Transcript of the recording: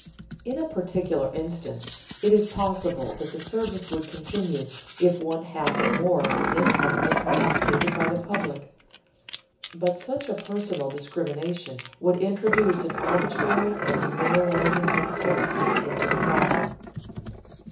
In a particular instance it is possible that the service would continue if one half or more of the income were confiscated by the public; but such a personal discrimination would introduce an arbitrary and demoralizing uncertainty into the problem.